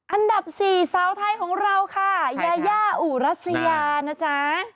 อันดับสี่สาวไทยของเราค่ะยายาอุรัสยานะจ๊ะ